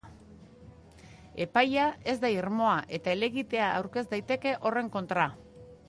Epaia ez da irmoa, eta helegitea aurkez daiteke horren kontra.